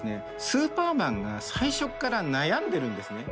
スーパーマンが最初っから悩んでるんですね。